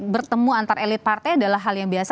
bertemu antar elit partai adalah hal yang biasa